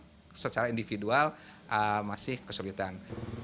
kalau memang secara individual masih kesulitan